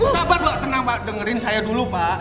sabar pak tenang pak dengerin saya dulu pak